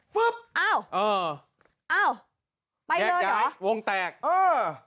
ฟึ๊บเอ้าเอ้าไปเลยเหรอเอ้าแยกวงแตกเอ้า